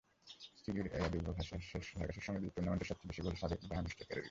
চিলির এদুয়ার্দো ভার্গাসের সঙ্গে টুর্নামেন্টের সবচেয়ে বেশি গোল সাবেক বায়ার্ন স্ট্রাইকারেরই।